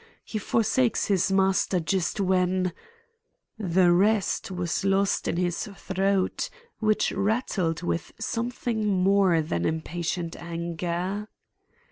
He forsakes his master just when—" The rest was lost in his throat which rattled with something more than impatient anger.